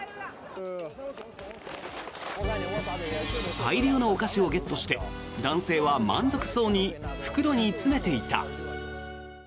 大量のお菓子をゲットして男性は満足そうに袋に詰めていた。